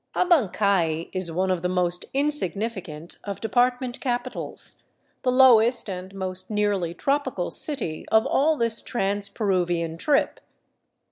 Abancay is one of the most insignificant of department capitals, the lowest and most nearly tropical city of all this trans Peruvian trip.